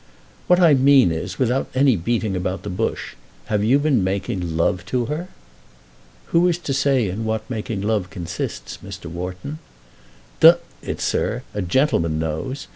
"What I mean is, without any beating about the bush, have you been making love to her?" "Who is to say in what making love consists, Mr. Wharton?" "D it, sir, a gentleman knows.